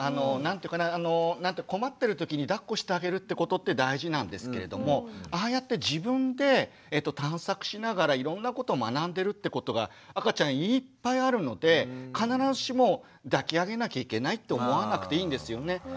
困ってる時にだっこしてあげることって大事なんですけれどもああやって自分で探索しながらいろんなこと学んでるってことが赤ちゃんいっぱいあるので必ずしも抱き上げなきゃいけないと思わなくていいんですよね。